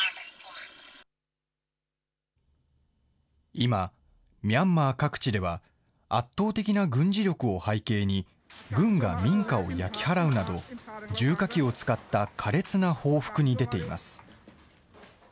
今、ミャンマー各地では、圧倒的な軍事力を背景に、軍が民家を焼き払うなど、重火器を使った苛烈な報復に出ています。